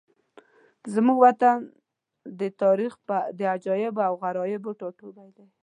زموږ وطن د تاریخ د عجایبو او غرایبو ټاټوبی دی.